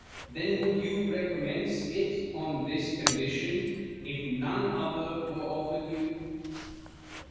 Then would you recommence it on this con dition, if none other were offered you